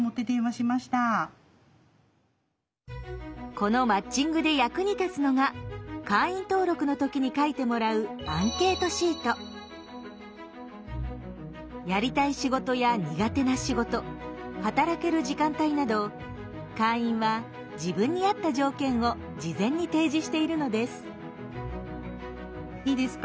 このマッチングで役に立つのが会員登録の時に書いてもらうやりたい仕事や苦手な仕事働ける時間帯など会員は自分に合った条件を事前に提示しているのです。